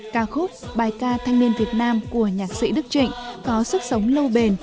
ca khúc bài ca thanh niên việt nam của nhạc sĩ đức trịnh có sức sống lâu bền